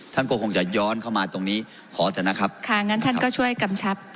ท่านก็คงจะย้อนเข้ามาตรงนี้ขอเถอะนะครับค่ะงั้นท่านก็ช่วยกำชับ